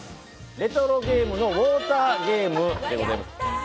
レトロゲームのウォーターゲームでございます。